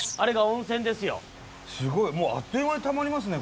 すごいもうあっという間にたまりますね。